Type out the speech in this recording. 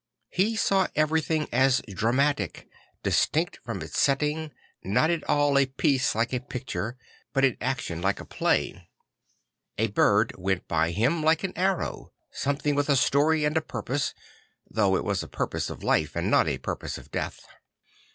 He sa w everything as dramatic, distinct from its setting, not all of a Cf'he Little Poor A1an 99 piece like a picture but in action like a play. A bird went by him like an arrow; something with a story and a purpose, though it was a purpose of life and not a purpose of death.